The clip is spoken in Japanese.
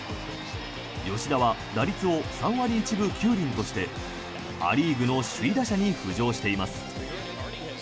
吉田は打率を３割１分９厘としてア・リーグの首位打者に浮上しています。